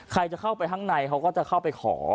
ใครจะเข้าไปข้างในเขาก็จะเข้าไปขอ